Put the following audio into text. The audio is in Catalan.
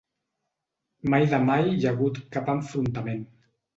Mai de mai hi ha hagut cap enfrontament.